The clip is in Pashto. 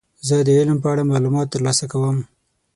زه د علم په اړه معلومات ترلاسه کوم.